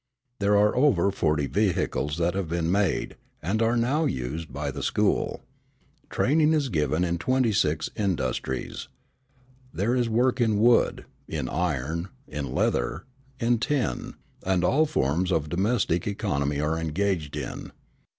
There are over forty vehicles that have been made, and are now used, by the school. Training is given in twenty six industries. There is work in wood, in iron, in leather, in tin; and all forms of domestic economy are engaged in.